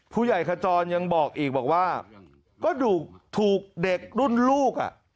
ผู้ใหญ่ขจรยังบอกอีกว่าก็ถูกเด็กรุ่นลูก